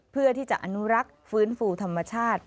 เพื่อที่จะอนุรักษ์ฟื้นฟูธรรมชาติ